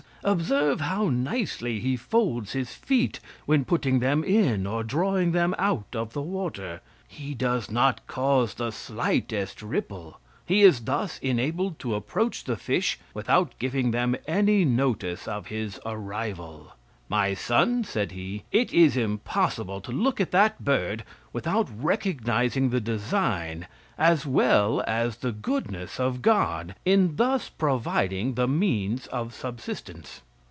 Observe how nicely he folds his feet when putting them in or drawing them out of the water! He does not cause the slightest ripple. He is thus enabled to approach the fish without giving them any notice of his arrival." "My son," said he, "it is impossible to look at that bird without recognizing the design, as well as the goodness of God, in thus providing the means of subsistence."